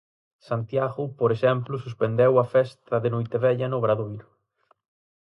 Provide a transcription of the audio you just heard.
Santiago, por exemplo, suspendeu a festa de Noitevella no Obradoiro.